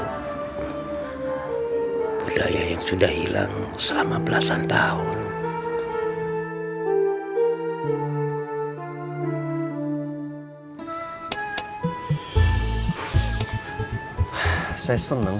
kudanya sudah hilang selama belasan tahun